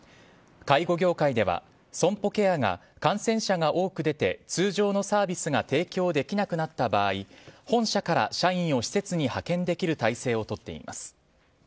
介護業界では、ＳＯＭＰＯケアが感染者が多く出て通常のサービスが提供できなくなった場合本社から社員を施設に派遣できる体制をとっています。